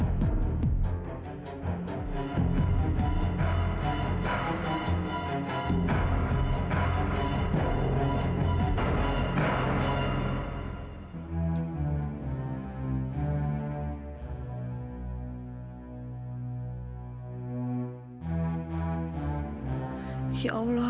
selamatkan dia ya allah